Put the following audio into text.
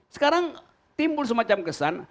sekarang timbul semacam kesan